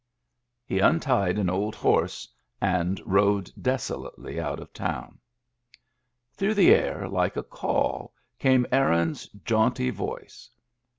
He untied an old horse and rode desolately out of town. Through the air, like a call, came Aaron's jaunty voice.